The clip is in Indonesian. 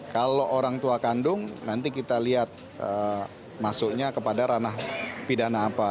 kalau orang tua kandung nanti kita lihat masuknya kepada ranah pidana apa